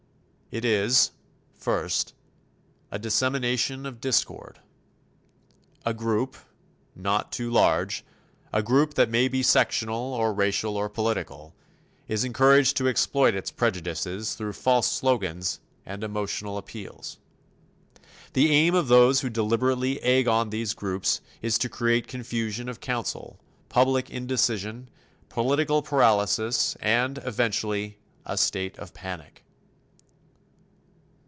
It is, first, a dissemination of discord. A group not too large a group that may be sectional or racial or political is encouraged to exploit its prejudices through false slogans and emotional appeals. The aim of those who deliberately egg on these groups is to create confusion of counsel, public indecision, political paralysis and eventually, a state of panic.